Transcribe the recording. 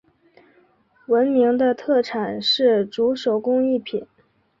闻名的特产是竹手工艺品。